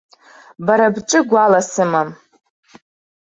Бара бҿы гәала сымам.